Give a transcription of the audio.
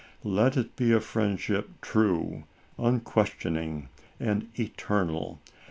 Let it be a friendship true, unques tioning and eternal.